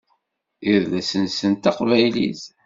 Idles-nsen d taqbaylit.